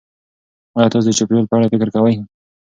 ایا تاسې د چاپیریال په اړه فکر کوئ؟